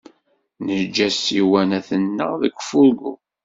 Neǧǧa ssiwanat-nneɣ deg ufurgu.